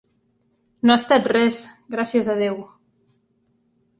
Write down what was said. No ha estat res, gràcies a Déu.